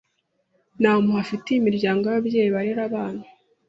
Nta mpuhwe afitiye imiryango y'ababyeyi barera abana.